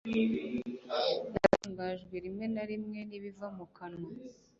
natangajwe rimwe na rimwe n'ibiva mu kanwa